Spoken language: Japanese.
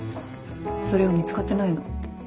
それが見つかってないの。